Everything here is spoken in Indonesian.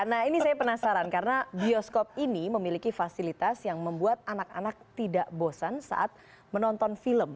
nah ini saya penasaran karena bioskop ini memiliki fasilitas yang membuat anak anak tidak bosan saat menonton film